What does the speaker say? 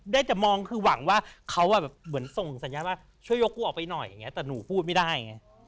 ได้แต่มองคือหวังว่าเขาเหมือนส่งสัญญาณว่าช่วยยกกูออกไปหน่อยอย่างนี้แต่หนูพูดไม่ได้ไง